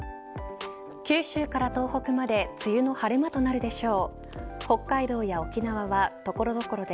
九州から東北まで梅雨の晴れ間となるでしょう。